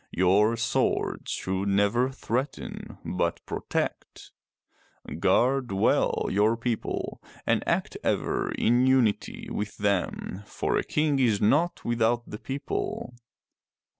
Your swords should never threaten, but protect. Guard well your people and act ever in unity with them, for a king is naught without the people.